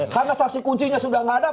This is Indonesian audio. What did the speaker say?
karena saksi kuncinya sudah tidak ada